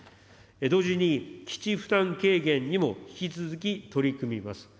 同時に、基地負担軽減にも引き続き取り組みます。